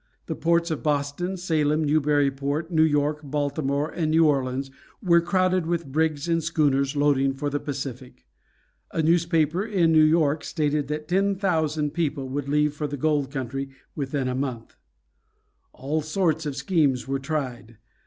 The ports of Boston, Salem, Newburyport, New York, Baltimore, and New Orleans were crowded with brigs and schooners loading for the Pacific. A newspaper in New York stated that ten thousand people would leave for the gold country within a month. All sorts of schemes were tried.